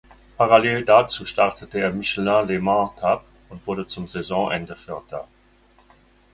Parallel dazu startete er im "Michelin Le Mans Cup" und wurde zum Saisonende Vierter.